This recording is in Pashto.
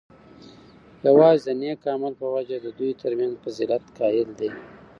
یواځی د نیک عمل په وجه د دوی ترمنځ فضیلت قایل دی،